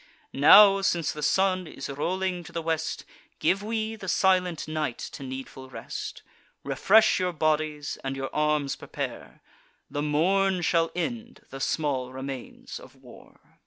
Now, since the sun is rolling to the west, Give we the silent night to needful rest: Refresh your bodies, and your arms prepare; The morn shall end the small remains of war."